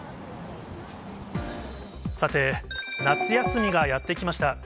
さて、夏休みがやって来ました。